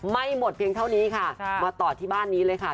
ไม่หมดเพียงเท่านี้ค่ะมาต่อที่บ้านนี้เลยค่ะ